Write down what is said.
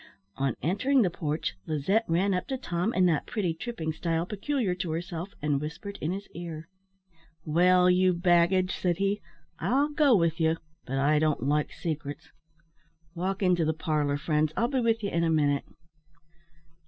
On entering the porch, Lizette ran up to Tom, in that pretty tripping style peculiar to herself, and whispered in his ear. "Well, you baggage," said he, "I'll go with you; but I don't like secrets. Walk into the parlour, friends; I'll be with you in a minute."